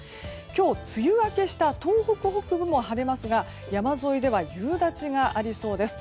今日、梅雨明けした東北北部も晴れますが山沿いでは夕立がありそうです。